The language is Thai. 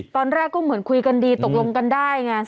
ตอนแรกก็เหมือนคุยกันดีตกลงกันได้ไง